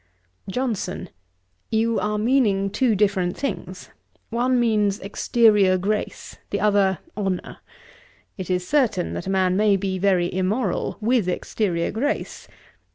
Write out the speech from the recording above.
JOHNSON. 'You are meaning two different things. One means exteriour grace; the other honour. It is certain that a man may be very immoral with exteriour grace.